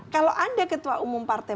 kalau anda ketua umum partai